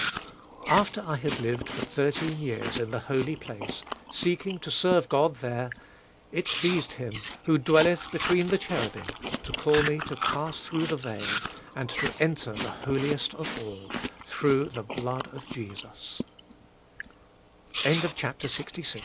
2. "After I had lived for thirteen years in the Holy Place, seeking to serve God there, it pleased Him, who dwelleth between the cherubim, to call me to pass through the veil, and to enter the Holiest of All, through the blood of